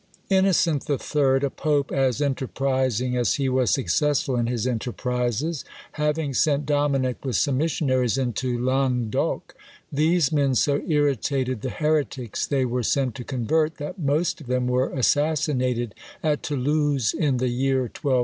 Innocent the Third, a pope as enterprising as he was successful in his enterprises, having sent Dominic with some missionaries into Languedoc, these men so irritated the heretics they were sent to convert, that most of them were assassinated at Toulouse in the year 1200.